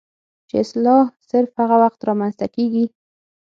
چې اصلاح صرف هغه وخت رامنځته کيږي